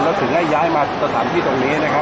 แล้วถึงให้ย้ายมาสถานที่ตรงนี้นะครับ